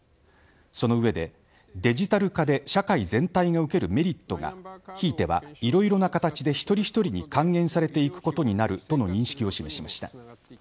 その上で、デジタル化で社会全体が受けるメリットがひいてはいろいろな形で一人一人に還元されていくことになるとの認識を示しました。